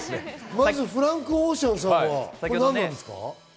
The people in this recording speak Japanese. まず、フランク・オーシャンさんは何ですか？